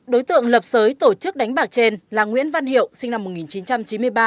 đối tượng lập sới tổ chức đánh bạc trên là nguyễn văn hiệu sinh năm một nghìn chín trăm chín mươi ba